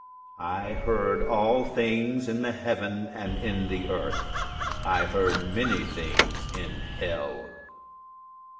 I heard all things in the heaven and in the earth. I heard many things in hell.